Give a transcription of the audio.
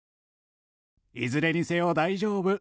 いずれにせよ大丈夫。